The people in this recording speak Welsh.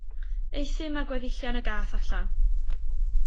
Euthum â gweddillion y gath allan.